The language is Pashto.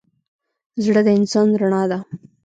زړه د انسان رڼا ده.